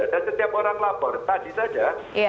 dan setiap orang lapor tadi saja